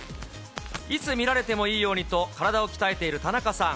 いつ見られてもいいようにと、体を鍛えている田中さん。